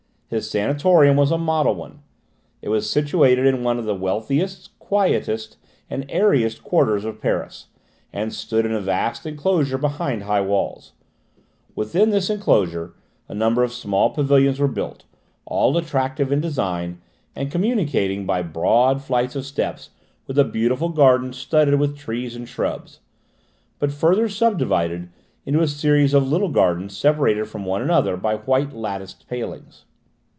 His sanatorium was a model one. It was situated in one of the wealthiest, quietest and airiest quarters of Paris, and stood in a vast enclosure behind high walls; within this enclosure a number of small pavilions were built, all attractive in design, and communicating by broad flights of steps with a beautiful garden studded with trees and shrubs, but further subdivided into a series of little gardens separated from one another by white latticed palings.